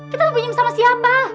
kita gak pinjam sama siapa